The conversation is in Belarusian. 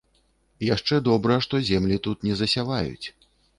Яшчэ добра, што землі тут не засяваюць.